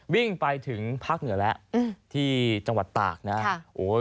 วิ่งไปถึงภาคเหนือแล้วที่จังหวัดตากนะครับ